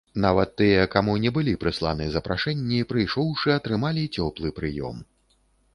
Нават тыя, каму не былі прысланы запрашэнні, прыйшоўшы, атрымалі цёплы прыём.